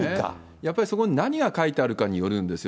やっぱり、そこに何が書いてあるかによるんですよ。